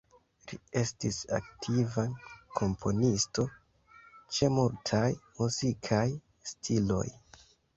Li estis aktiva komponisto, ĉe multaj muzikaj stiloj.